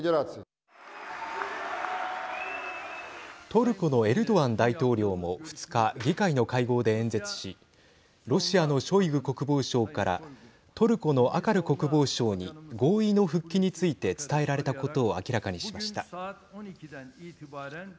トルコのエルドアン大統領も２日議会の会合で演説しロシアのショイグ国防相からトルコのアカル国防相に合意の復帰について伝えられたことを明らかにしました。